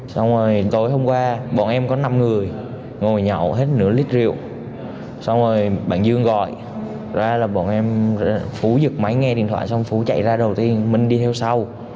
xong rồi tối hôm qua bọn em có năm người ngồi nhậu hết nửa lít rượu xong rồi bạn dương gọi ra là bọn em phú dựng máy nghe điện thoại xong phú chạy ra đầu tiên mình đi theo sau